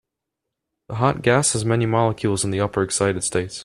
The hot gas has many molecules in the upper excited states.